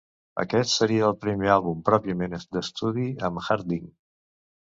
Aquest seria el primer àlbum pròpiament d'estudi amb Harding.